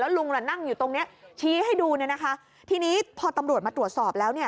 ลุงล่ะนั่งอยู่ตรงเนี้ยชี้ให้ดูเนี่ยนะคะทีนี้พอตำรวจมาตรวจสอบแล้วเนี่ย